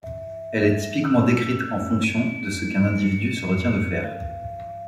Elle est typiquement décrite en fonction de ce qu'un individu se retient de faire.